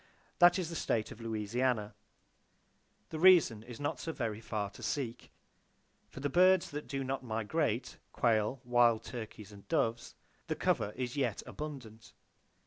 That is the state of Louisiana. The reason is not so very far to seek. For the birds that do not migrate,—quail, wild turkeys and doves,—the cover is yet abundant.